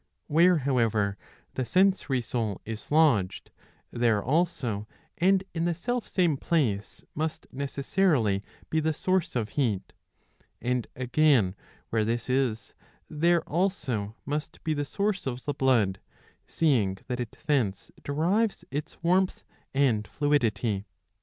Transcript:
Where, however, the sensory soul is lodged, there also and in the self same place must necessarily be the source of heat ;* and, again, where this is there also must be the source of the blood, seeing that it thence derives its warmth and fluidity.